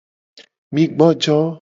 Mi gbojo.